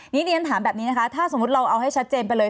นี่เรียนถามแบบนี้นะคะถ้าสมมุติเราเอาให้ชัดเจนไปเลย